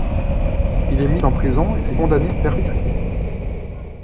Il est mis en prison et condamné à perpétuité.